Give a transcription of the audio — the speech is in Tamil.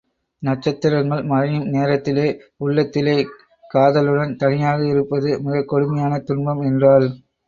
நட்சத்திரங்கள் மறையும் நேரத்திலே உள்ளத்திலே காதலுடன் தனியாக இருப்பது மிகக் கொடுமையான துன்பம் என்றாள்.